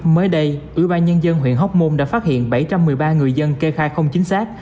mới đây ủy ban nhân dân huyện hóc môn đã phát hiện bảy trăm một mươi ba người dân kê khai không chính xác